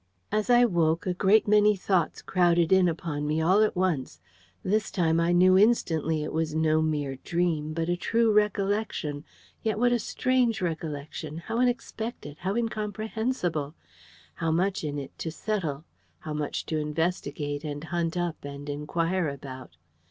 As I woke, a great many thoughts crowded in upon me all at once. This time I knew instantly it was no mere dream, but a true recollection. Yet what a strange recollection! how unexpected! how incomprehensible! How much in it to settle! how much to investigate and hunt up and inquire about!